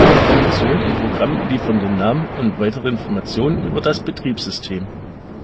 Funktion und Programm liefern den Namen und weitere Informationen über das Betriebssystem.